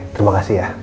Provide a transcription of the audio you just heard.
terima kasih ya